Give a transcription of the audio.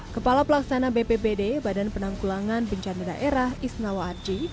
kepala pelaksana bpbd badan penanggulangan bencana daerah isnawa arji